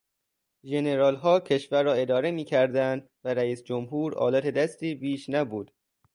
ژنرالها کشور را اداره میکردند و رئیس جمهور آلت دستی بیش نبود.